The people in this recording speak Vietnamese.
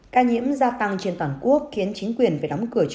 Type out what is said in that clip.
ca nhiễm gia tăng trên toàn quốc khiến chính quyền phải đóng cửa